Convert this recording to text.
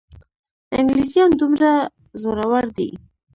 انګلیسیان دومره زورور دي.